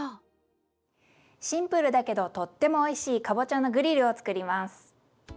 シンプルだけどとってもおいしいかぼちゃのグリルを作ります。